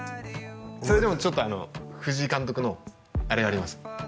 それでもちょっとあの藤井監督のあれあります